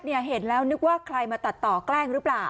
เห็นแล้วนึกว่าใครมาตัดต่อแกล้งหรือเปล่า